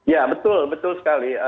ya betul betul sekali